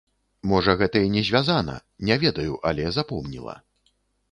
Можа гэта і не звязана, не ведаю, але запомніла.